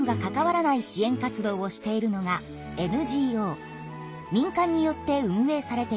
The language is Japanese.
一方民間によって運営されています。